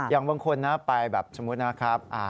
อย่างบางคนนะไปแบบสมมุตินะครับ